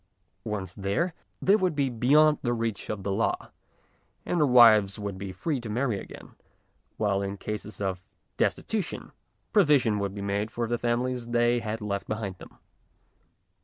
Once there, they would be beyond the reach of the law, and their wives would be free to marry again, while in cases of destitution provision would be made for the families they had left behind them.